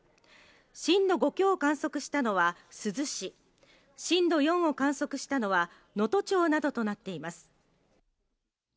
震度５強を観測したのは珠洲市、震度４を観測したのは能登町などとなっています。